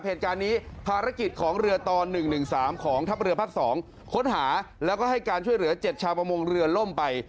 เหตุการณ์นี้ภารกิจของเรือตอน๑๑๓ของทัพเรือภาค๒ค้นหาแล้วก็ให้การช่วยเหลือ๗ชาวประมงเรือล่มไป